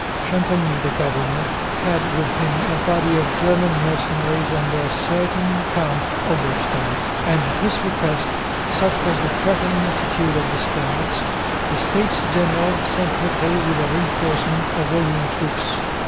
Champagney, the governor, had with him a body of German mercenaries under a certain Count Oberstein; and at his request, such was the threatening attitude of the Spaniards, the States General sent Havré with a reinforcement of Walloon troops.